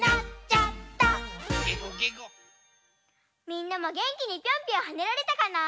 みんなもげんきにピョンピョンはねられたかな？